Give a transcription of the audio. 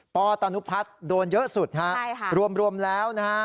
ปตนุพัฒน์โดนเยอะสุดฮะรวมแล้วนะฮะ